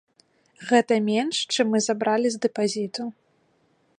Гэта менш, чым мы забралі з дэпазіту.